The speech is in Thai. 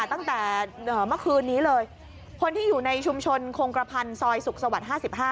ตั้งแต่เมื่อคืนนี้เลยคนที่อยู่ในชุมชนคงกระพันธ์ซอยสุขสวรรค์๕๕